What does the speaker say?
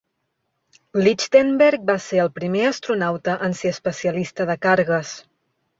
Lichtenberg va ser el primer astronauta en ser especialista de cargues.